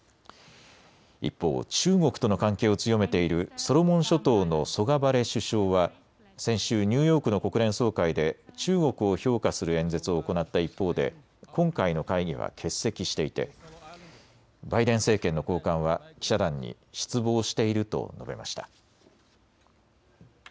一方、中国との関係を強めているソロモン諸島のソガバレ首相は先週、ニューヨークの国連総会で中国を評価する演説を行った一方で今回の会議は欠席していてバイデン政権の高官は記者団に失望していると述べました。